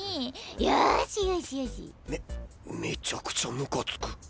めめちゃくちゃムカつく。